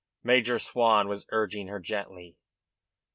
Major Swan was urging her gently.